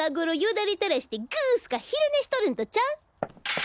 だれたらしてグースカ昼寝してるんとちゃう？